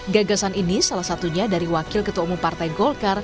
gagasan ini salah satunya dari wakil ketua umum partai golkar